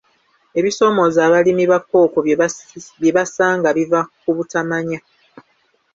Ebisoomooza abalimi ba kkooko bye basanga biva ku butamanya.